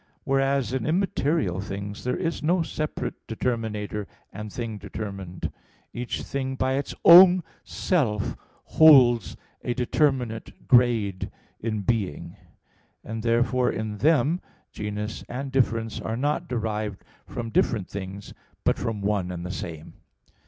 Whereas in immaterial things there is no separate determinator and thing determined; each thing by its own self holds a determinate grade in being; and therefore in them genus and "difference" are not derived from different things, but from one and the same.